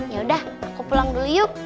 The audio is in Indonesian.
ya udah aku pulang dulu yuk